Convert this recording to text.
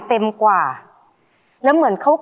เขาเขียนแบบหนักหนักแล้ว